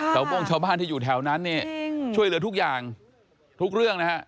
โม่งชาวบ้านที่อยู่แถวนั้นเนี่ยช่วยเหลือทุกอย่างทุกเรื่องนะฮะ